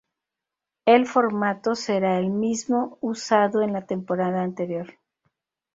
El formato será el mismo usado en la temporada anterior.